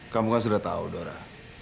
kamu kan sudah tahu dora